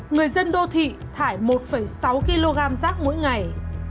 người dân đô thị thải một sáu kg rác mỗi ngày